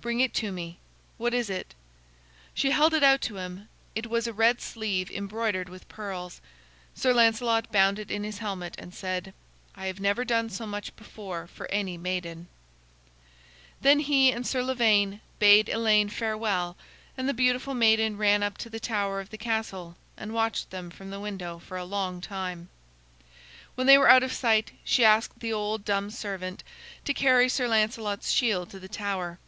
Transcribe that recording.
"Bring it to me. What is it?" She held it out to him; it was a red sleeve embroidered with pearls. Sir Lancelot bound it in his helmet and said: "I have never done so much before for any maiden." [Illustration: "She staid near it all day long in the turret"] Then he and Sir Lavaine bade Elaine farewell, and the beautiful maiden ran up to the tower of the castle and watched them from the window for a long time. When they were out of sight she asked the old dumb servant to carry Sir Lancelot's shield to the tower.